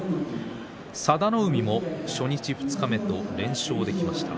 佐田の海も初日、二日目と連勝できました。